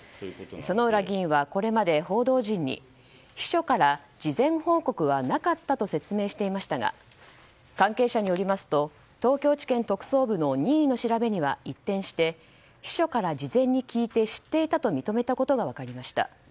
薗浦議員はこれまで報道陣に秘書から事前報告はなかったと説明していましたが関係者によりますと東京地検特捜部の任意の調べには一転して秘書から事前に聞いて知っていたと認めたことが分かりました。